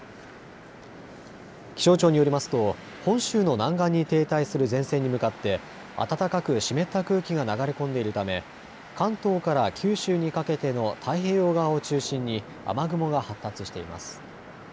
気象庁によりますと本州の南岸に停滞する前線に向かって暖かく湿った空気が流れ込んでいるため関東から九州にかけての太平洋側を中心に雨雲が発達しています。